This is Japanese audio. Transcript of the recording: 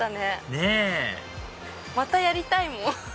ねぇまたやりたいもん。